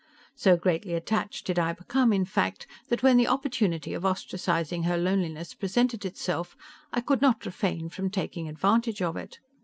So greatly attached did I become, in fact, that when the opportunity of ostracizing her loneliness presented itself, I could not refrain from taking advantage of it.